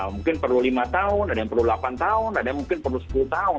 mungkin perlu lima tahun ada yang perlu delapan tahun ada yang mungkin perlu sepuluh tahun